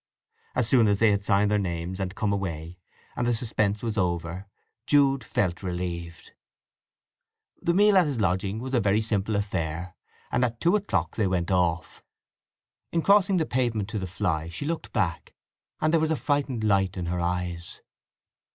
As soon as they had signed their names and come away, and the suspense was over, Jude felt relieved. The meal at his lodging was a very simple affair, and at two o'clock they went off. In crossing the pavement to the fly she looked back; and there was a frightened light in her eyes.